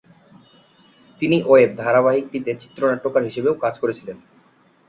তিনি ওয়েব ধারাবাহিকটিতে চিত্রনাট্যকার হিসেবেও কাজ করেছিলেন।